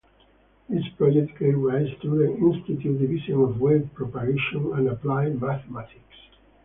This project gave rise to the Institute's Division of Wave Propagation and Applied Mathematics.